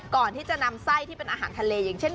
ก่อนที่จะนำไส้ที่เป็นอาหารทะเลอย่างเช่น